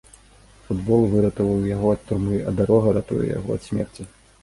Футбол выратаваў яго ад турмы, а дарога ратуе яго ад смерці.